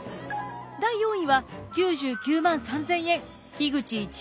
第４位は９９万３，０００円口一葉。